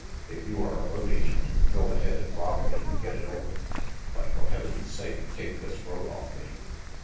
"If you are a road agent, go ahead and rob me and get it over, but for Heaven's sake take this rope off me."